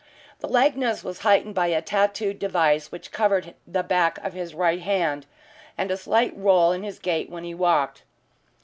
The likeness was heightened by a tattooed device which covered the back of his right hand, and a slight roll in his gait when he walked.